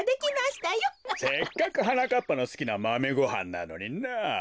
せっかくはなかっぱのすきなマメごはんなのになあ。